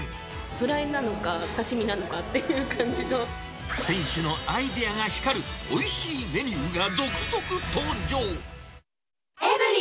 フライなのか、店主のアイデアが光る、おいしいメニューが続々登場。